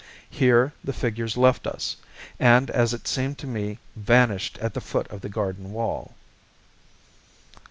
Here the figures left us, and as it seemed to me vanished at the foot of the garden wall.